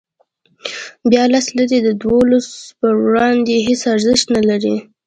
بیا لس لیرې د دولسو په وړاندې هېڅ ارزښت نه لري.